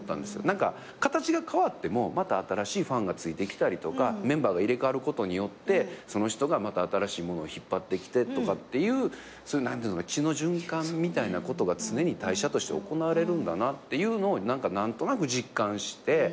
何か形が変わってもまた新しいファンがついてきたりメンバーが入れ替わることによってその人がまた新しいものを引っ張ってきてとかっていう血の循環みたいなことが常に代謝として行われるんだなっていうのを何か何となく実感して。